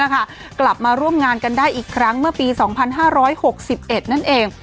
กลับมาร่วมงานกันได้อีกครั้งเมื่อปี๒๕๖๑นั่นเอง